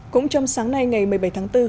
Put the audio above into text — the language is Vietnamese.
cũng trong sáng nay ngày một mươi bảy tháng bốn